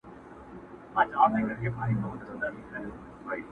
o دايي گاني چي ډېري سي، د کوچني سر کوږ راځي!